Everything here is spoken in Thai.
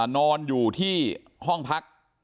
นอนอยู่ที่ห้องพัก